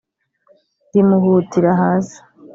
rimuhutira hasi